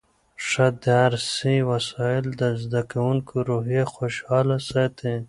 ښه درسي وسایل د زده کوونکو روحیه خوشحاله ساتي.